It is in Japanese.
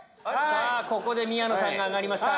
ここで宮野さんが挙がりました。